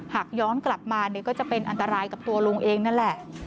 หากย้อนกลับมาเนี่ยก็จะเป็นอันตรายกับตัวลุงเองนั่นแหละ